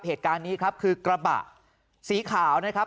เหตุการณ์นี้ครับคือกระบะสีขาวนะครับ